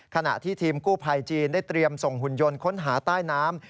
ขณะที่ทีมกู้ภัยจีนได้เตรียมส่งหุ่นยนต์ค้นหาใต้น้ำ